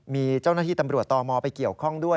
มีเจ้าหน้าที่ตำรวจตมไปเกี่ยวข้องด้วย